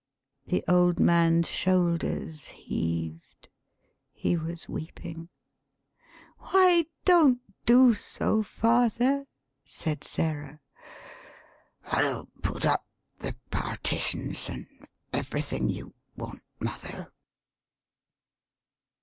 The old man's shoulders heaved: he was weeping. "Why, don't do so, father," said Sarah. "I'll put up the partitions, an' every thing you want, mother."